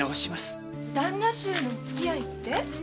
旦那衆のお付き合いって？